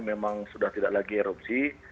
memang sudah tidak lagi erupsi